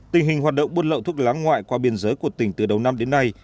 tình hình hoạt động buôn lậu thuốc lá ngoại qua biên giới của tỉnh từ đầu năm đến nay